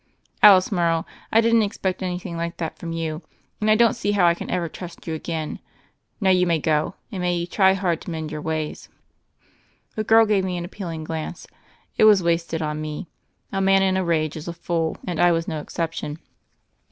"Alice Morrow, I didn't expect anything like that from you; and I don't see how I can ever trust you again. Now you may go, and may you try hard to mend your ways." The girl gave me an appealing glance ; it was wasted on me. A man in a rage is a fool, and I was no exception.